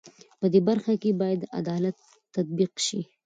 په دې برخه کې بايد عدالت تطبيق شي.